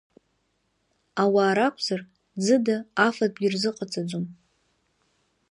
Ауаа ракәзар, ӡыда афатәгьы рзыҟаҵаӡом.